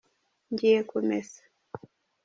ngiye kumesa.